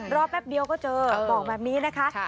แป๊บเดียวก็เจอบอกแบบนี้นะคะ